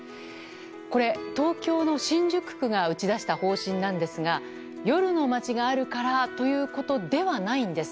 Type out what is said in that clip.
これ、東京の新宿区が打ち出した方針なんですが夜の街があるからということではないんです。